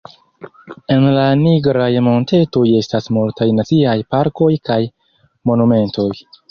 En la Nigraj Montetoj estas multaj naciaj parkoj kaj monumentoj.